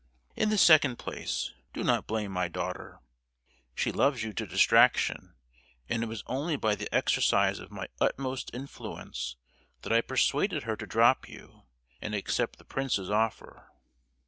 "In the second place, do not blame my daughter. She loves you to distraction; and it was only by the exercise of my utmost influence that I persuaded her to drop you, and accept the prince's offer."